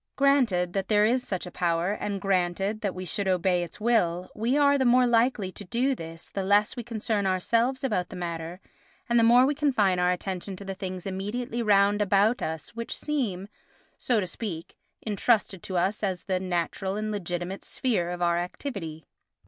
Granted that there is such a power, and granted that we should obey its will, we are the more likely to do this the less we concern ourselves about the matter and the more we confine our attention to the things immediately round about us which seem, so to speak, entrusted to us as the natural and legitimate sphere of our activity.